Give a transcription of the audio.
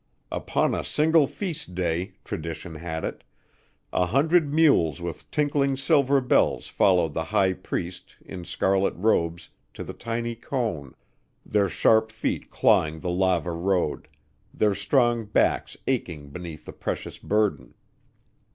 Upon a single feast day, tradition had it, a hundred mules with tinkling silver bells followed the high priest, in scarlet robes, to the tiny cone, their sharp feet clawing the lava road, their strong backs aching beneath the precious burden.